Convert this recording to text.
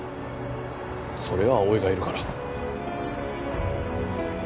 それは葵がいるから。